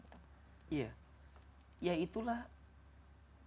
ya itulah fenomena yang harus kita hadapi